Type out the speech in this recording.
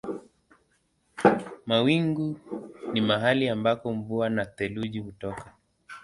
Mawingu ni mahali ambako mvua na theluji hutoka.